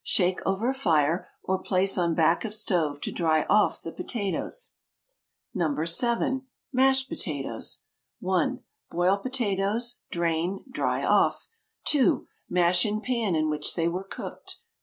Shake over fire, or place on back of stove to dry off the potatoes. NO. 7. MASHED POTATOES. 1. Boil potatoes. Drain; dry off. 2. Mash in pan in which they were cooked.